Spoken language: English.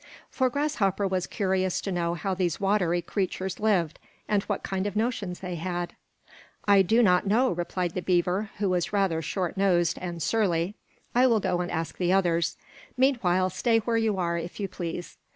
For Grasshopper was curious to know how these watery creatures lived, and what kind of notions they had. "I do not know," replied the heaver, who was rather short nosed and surly. "I will go and ask the others. Meanwhile stay where you are, if you please."